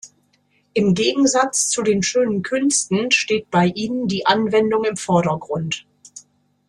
Im Gegensatz zu den "schönen Künsten" steht bei ihnen die Anwendung im Vordergrund.